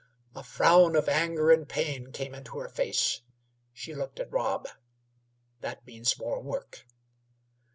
A frown of anger and pain came into her face. She looked at Rob. "That means more work."